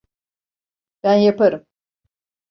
Ben yaparım.